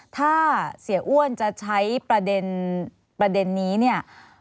ถ้าเสียอ้วนจะใช้ประเด็นนี้เนี่ย